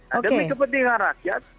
tapi kepentingan rakyat